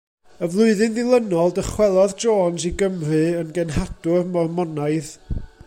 Y flwyddyn ddilynol dychwelodd Jones i Gymru yn genhadwr Mormonaidd.